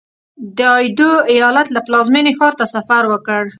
د ایدو ایالت له پلازمېنې ښار ته سفر وکړ.